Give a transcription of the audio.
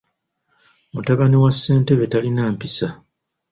Mutabani wa ssentebe talina mpisa.